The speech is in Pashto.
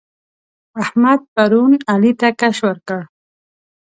احمد پرون علي ته کش ورکړ.